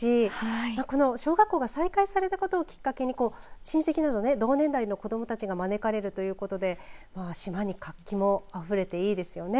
この小学校が再開されたことをきっかけに親戚など同年代の子どもたちが招かれるということで島に活気もあふれていいですよね。